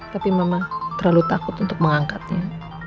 tapi mama terlalu takut untuk mengangkatnya